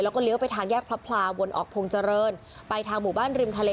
แล้วก็เลี้ยวไปทางแยกพลับพลาวนออกพลงเจริญไปทางบุบ้านริมทะเล